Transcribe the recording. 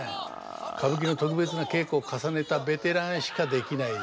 歌舞伎の特別な稽古を重ねたベテランしかできないですね